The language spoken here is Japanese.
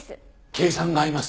計算が合います。